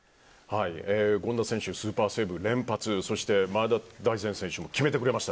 権田選手、スーパーセーブ連発そして、前田大然選手も決めてくれました。